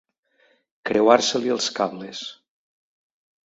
Creuar-se-li els cables.